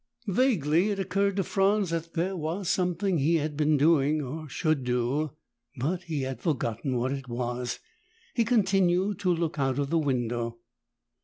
Vaguely it occurred to Franz that there was something he had been doing or should do, but he had forgotten what it was. He continued to look out of the window.